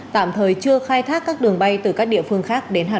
tạm thời chưa khai thác các đường bay từ các địa phương khác đến hà nội